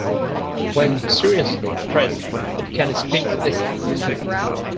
When seriously pressed, it can spit acid.